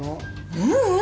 ううん。